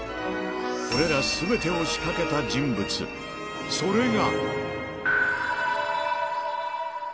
これらすべてを仕掛けた人物、それが。